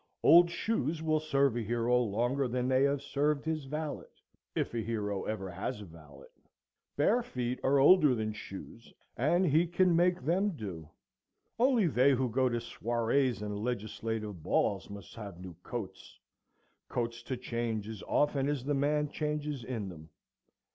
Old shoes will serve a hero longer than they have served his valet,—if a hero ever has a valet,—bare feet are older than shoes, and he can make them do. Only they who go to soirées and legislative halls must have new coats, coats to change as often as the man changes in them.